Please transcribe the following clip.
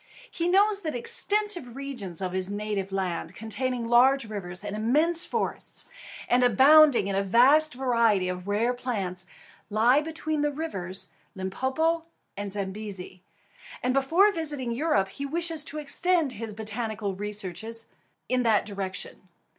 He knows that extensive regions of his native land, containing large rivers and immense forests, and abounding in a vast variety of rare plants, lie between the rivers Limpopo and Zambezi, and before visiting Europe he wishes to extend his botanic researches in that direction.